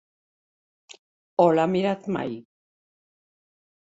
O l’ha mirat mai?